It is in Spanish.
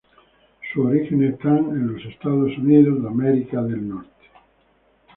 Sus orígenes están en los Estados Unidos.